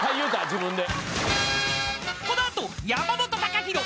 自分で。